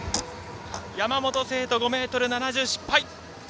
山本聖途、５ｍ７０失敗。